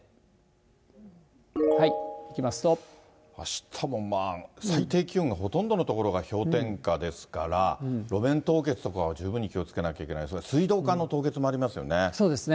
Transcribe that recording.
あしたもまあ、最低気温がほとんどの所が氷点下ですから、路面凍結とかは十分に気をつけなきゃいけないですね。